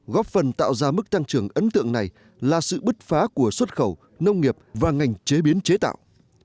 góp phần tạo ra mức tăng trưởng ấn tượng này là sự bứt phá của xuất khẩu nông nghiệp và ngành chế biến chế tạo